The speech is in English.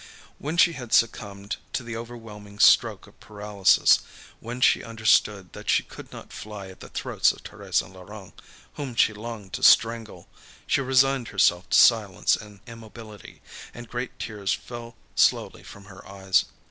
When she had succumbed to the overwhelming stroke of paralysis, when she understood that she could not fly at the throats of Thérèse and Laurent, whom she longed to strangle, she resigned herself to silence and immobility, and great tears fell slowly from her eyes.